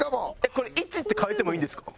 これ位置って変えてもいいんですか？